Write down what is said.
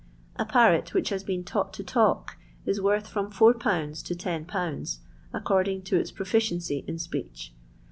A parrot which has been taught to talk is worth from it. to 10/., according to iu proficiency in speech.